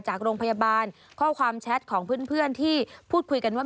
จากโรงพยาบาลข้อความแชทของเพื่อนที่พูดคุยกันว่า